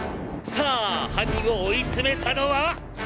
「さぁ犯人を追い詰めたのは⁉